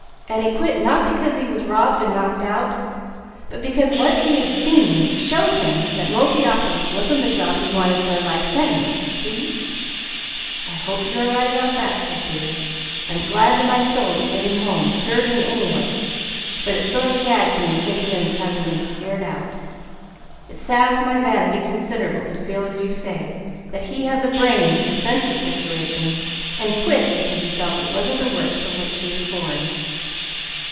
And he quit, not because he was robbed and knocked out, but because what he had seen showed him that Multiopolis wasn't the job he wanted for a life sentence. See?" "I hope you are right about that," said Peter. "I'm glad to my soul to get him home, cured in any way; but it sort of gags me to think of him as having been scared out. It salves my vanity considerable to feel, as you say, that he had the brains to sense the situation, and quit because he felt it wasn't the work for which he was born."